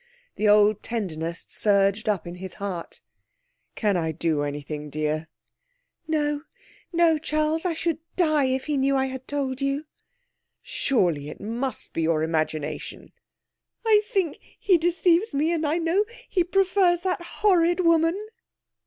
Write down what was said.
The old tenderness surged up in his heart. 'Can I do anything, dear?' 'No, no, Charles. I should die if he knew I had told you!' 'Surely it must be your imagination.' 'I think he deceives me, and I know he prefers that horrid woman.'